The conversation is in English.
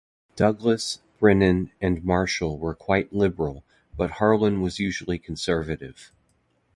Douglas, Brennan and Marshall were quite liberal, but Harlan was usually conservative.